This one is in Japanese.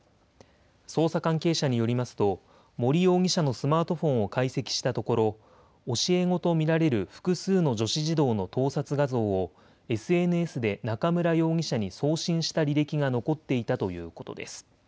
捜査関係者によりますと森容疑者のスマートフォンを解析したところ教え子と見られる複数の女子児童の盗撮画像をＳＮＳで中村容疑者に送信した履歴が残っていたということです。